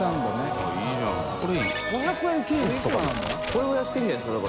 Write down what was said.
これは安いんじゃないですか？